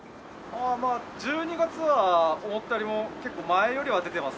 まあ１２月は思ったよりも結構前よりは出てます。